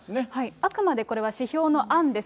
あくまでこれは指標の案です。